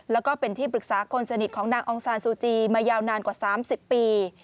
แล้วก็เป็นที่ปรึกษาคนสนิทของนางองซานซูจีมายาวนานกว่า๓๐ปี